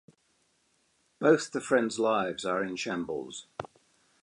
Both the friends lives are in shambles.